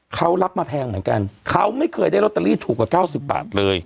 เขารับมาแพงเหมือนกันเขาไม่เคยได้ลอตเตอรี่ถูกกว่าเก้าสิบบาทเลย